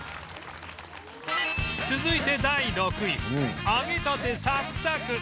続いて第６位揚げたてサクサク！